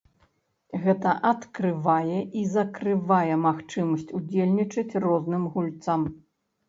Гэта адкрывае і закрывае магчымасць удзельнічаць розным гульцам.